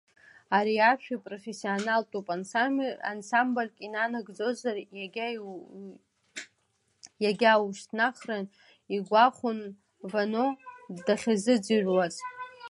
Ари ашәа ипрофессионалтәу ансамбльк иананагӡозар, егьа ушьҭнахрын, игәахәон Вано дахьырзыӡырҩуаз.